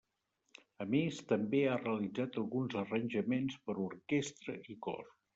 A més, també ha realitzat alguns arranjaments per orquestra i cor.